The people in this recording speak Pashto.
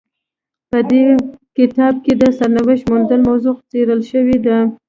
په دې کتاب کې د سرنوشت موندلو موضوع څیړل شوې ده.